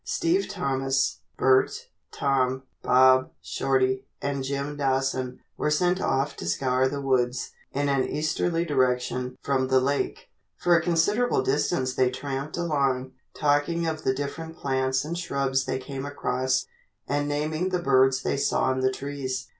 Steve Thomas, Bert, Tom, Bob, Shorty, and Jim Dawson were sent off to scour the woods in an easterly direction from the lake. For a considerable distance they tramped along, talking of the different plants and shrubs they came across and naming the birds they saw in the trees.